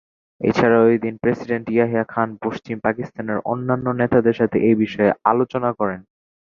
এছাড়াও এদিন প্রেসিডেন্ট ইয়াহিয়া খান পশ্চিম পাকিস্তানের অন্যান্য নেতাদের সাথে এই বিষয়ে আলোচনা করেন।